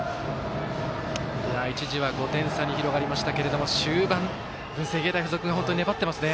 一時は５点差に広がりましたが終盤、文星芸大付属が本当に粘っていますね。